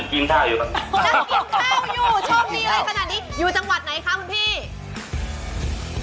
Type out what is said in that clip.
คุณเอกนรงทำอะไรอยู่ตอนนี้